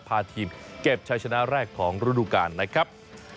พาทีมเก็บใช้ชนะแรกของฤดูกาลนะครับ